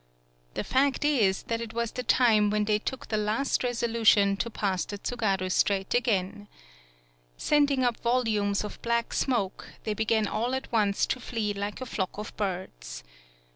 The fact is that it was the time when they took the last resolution to pass the 158 TSUGARU STRAIT Tsugaru Strait again. Sending up vol umes of black smoke, they began all at once to flee like a flock of birds.